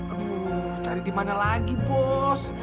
aduh cari di mana lagi bos